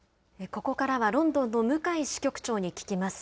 ここからはロンドンの向井支局長に聞きます。